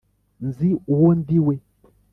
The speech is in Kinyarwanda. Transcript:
nzi uwo ndi we